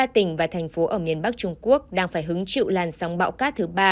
ba tỉnh và thành phố ở miền bắc trung quốc đang phải hứng chịu làn sóng bão cát thứ ba